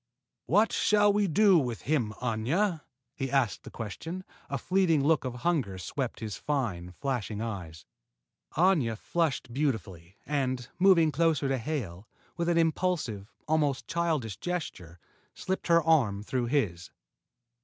"What shall we do with him, Aña?" he asked the question, a fleeting look of hunger swept his fine, flashing eyes. Aña flushed beautifully, and, moving closer to Hale, with an impulsive, almost childish gesture, slipped her arm through his.